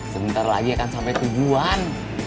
sebentar lagi akan sampai tujuan